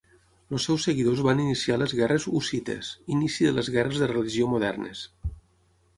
Els seus seguidors van iniciar les guerres hussites, inici de les guerres de religió modernes.